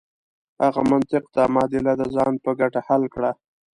هغه منطق دا معادله د ځان په ګټه حل کړه.